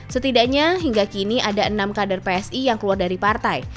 setidaknya hingga kini ada enam kader psi yang keluar dari partai